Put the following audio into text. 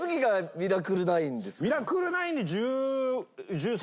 『ミラクル９』で１３年とか？